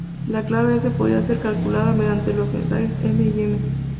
La clave "s" podría ser calculada mediante los mensajes "m" y "m".